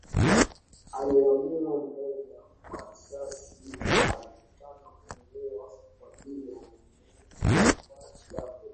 Alimuua mmoja kwa risasi alipotaka kumuua wa pili alimuwahi Jacob